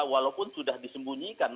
walaupun sudah disembunyikan